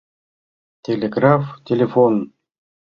Телеграф, телефон...